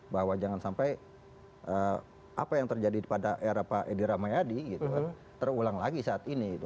bahwa jangan sampai apa yang terjadi pada era pak edi rahmayadi gitu kan terulang lagi saat ini